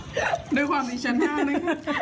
ฮัฮฮฮฮฮฮฮฮฮฮฮโดยความริชินทางนี้